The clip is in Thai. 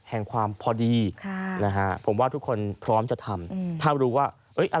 แห่งความพอดีผมว่าทุกคนพร้อมจะทำถ้ารู้ว่า